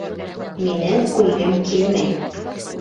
Минең үлгем килмәй!